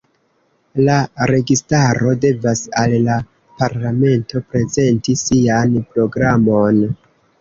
La registaro devas al la parlamento prezenti sian programon.